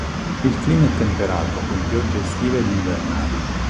Il clima è temperato con piogge estive ed invernali.